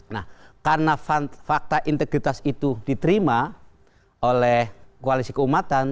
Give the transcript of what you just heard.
nah karena fakta integritas itu diterima oleh koalisi keumatan